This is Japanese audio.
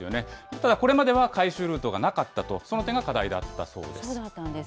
ただ、これまでは回収ルートがなかったと、その点が課題だったそうです。